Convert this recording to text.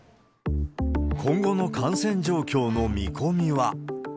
今後の感染状況の見込みは。